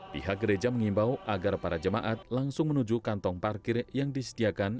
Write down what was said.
pihak gereja mengimbau agar para jemaat langsung menuju kantong parkir yang disediakan